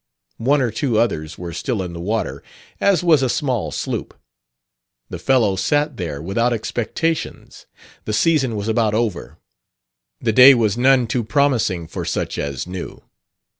One or two others were still in the water, as was a small sloop. The fellow sat there without expectations: the season was about over; the day was none too promising for such as knew.